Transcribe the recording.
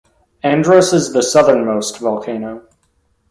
Andrus is the southernmost volcano.